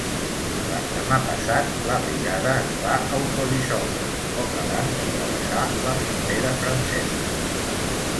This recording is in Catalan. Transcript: L'endemà passat la brigada es va autodissoldre, poc abans de travessar la frontera francesa.